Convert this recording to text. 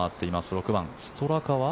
６番、ストラカは。